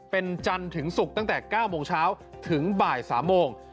เป็นจันทร์ถึงศุกร์ตั้งแต่๙โมงเช้าถึงบ่าย๓โมง